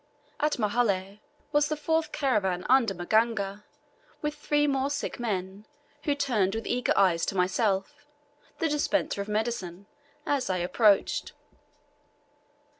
At Muhalleh was the fourth caravan under Maganga with three more sick men, who turned with eager eyes to myself, "the dispenser of medicine," as I approached.